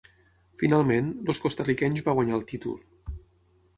Finalment, els costa-riquenys va guanyar el títol.